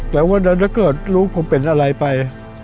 แล้ววันนั้นถ้าเกิดลูกผมเป็นอะไรไป